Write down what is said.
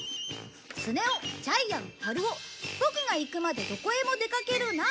「スネ夫ジャイアンはる夫ぼくが行くまでどこへもでかけるな」